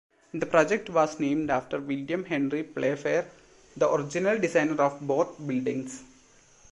The project was named after William Henry Playfair, the original designer of both buildings.